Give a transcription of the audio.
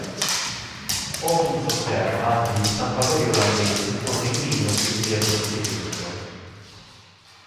Hawkins osserva che gli stampatori olandesi furono i primi a seguire questi esempio.